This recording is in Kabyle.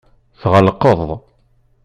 Tɣelqeḍ.